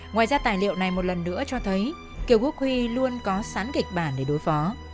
ngoài ra tài liệu này một lần nữa cho thấy kiều quốc huy luôn có sán kịch bản để đối phó